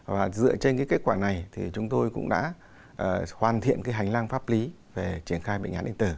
và dựa trên cái kết quả này thì chúng tôi cũng đã hoàn thiện cái hành lang pháp lý về triển khai bệnh án điện tử